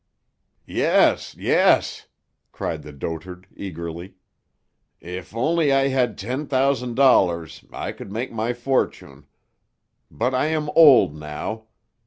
"Yes, yes!" cried the dotard eagerly. "If only I had ten thousand dollars I could make my fortune. But I am old now.